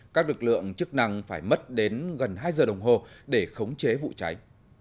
các lực lượng chức năng phải mất đến gần hai giờ đồng hồ để khống chế vụ cháy